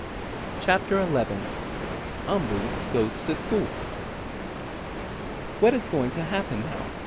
CHAPTER XI UMBOO GOES TO SCHOOL "What is going to happen now?"